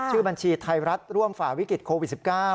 ชื่อบัญชีไทยรัฐร่วมฝ่าวิกฤตโควิด๑๙